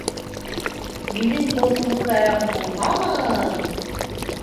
- Минең тылсымлы таяғым булһамы!..